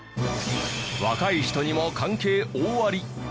若い人にも関係大あり。